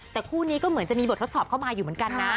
แต่คู่นี้ก็เหมือนจะมีบททดสอบเข้ามาอยู่เหมือนกันนะ